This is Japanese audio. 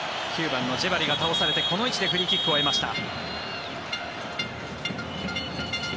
９番のジェバリが倒れてこの位置でフリーキックを得ました。